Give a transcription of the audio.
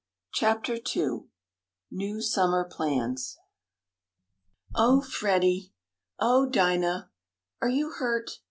CHAPTER II NEW SUMMER PLANS "Oh, Freddie!" "Oh, Dinah!" "Are you hurt?"